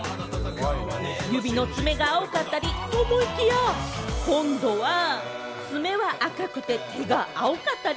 指の爪が青かったり、と思いきや、今度は爪は赤くて、手が青かったり。